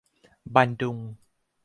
บันดุง